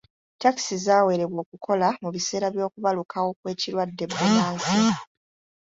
Ttakisi zaawerebwa okukola mu biseera by'okubalukawo kw'ekirwadde bbunansi.